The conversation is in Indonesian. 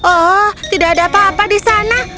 oh tidak ada apa apa di sana